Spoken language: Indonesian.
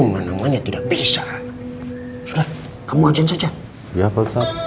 mana mana tidak bisa kamu aja saja ya